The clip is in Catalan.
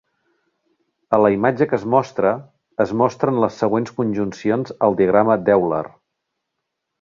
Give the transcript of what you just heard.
A la imatge que es mostra, es mostren les següents conjuncions al diagrama d'Euler.